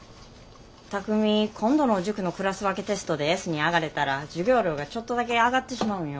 巧海今度の塾のクラス分けテストでＳに上がれたら授業料がちょっとだけ上がってしまうんよ。